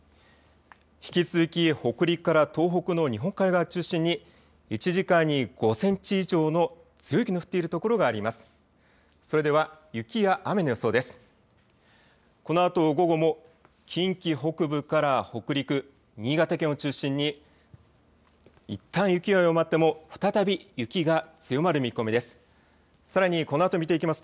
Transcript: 引き続き北陸から東北の日本海側を中心に１時間に５センチ以上の強い雪の降っている所があります。